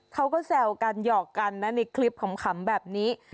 เขาก็แซวกันหยอกกันนะในคลิปขำแบบนี้